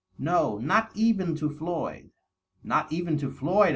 No, not even to Floyd." " Not even to Floyd